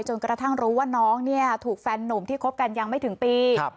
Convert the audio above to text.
กระทั่งรู้ว่าน้องเนี่ยถูกแฟนหนุ่มที่คบกันยังไม่ถึงปี